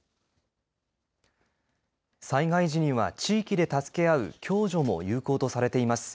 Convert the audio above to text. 災害時には地域で助け合う共助も有効とされています。